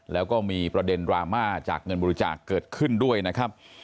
แล้วก็มีประเด็นดราม่าจากเงินบริจาคเกิดขึ้นด้วยนะครับ